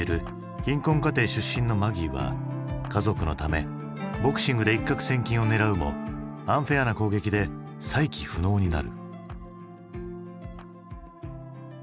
貧困家庭の出身のマギーは家族のためボクシングで一獲千金を狙うもアンフェアな攻撃で再起不能になる。